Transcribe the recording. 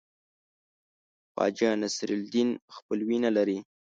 خواجه نصیرالدین خپلوي نه لري.